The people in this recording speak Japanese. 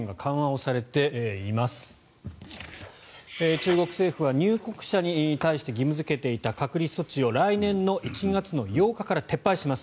中国政府は入国者に対して義務付けていた隔離措置を来年の１月の８日から撤廃します。